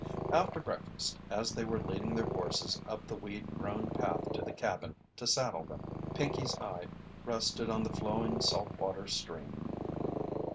After breakfast, as they were leading their horses up the weed grown path to the cabin to saddle them, Pinkey's eye rested on the flowing salt water stream.